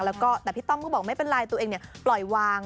แล้วก็แต่พี่ต้อมก็บอกไม่เป็นไรตัวเองปล่อยวาง